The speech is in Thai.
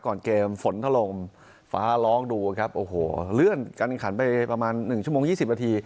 ก่อนเกมฝนถล่มฟ้าร้องดูครับโอ้โหเลื่อนการขันไปประมาณ๑ชั่วโมง๒๐นาที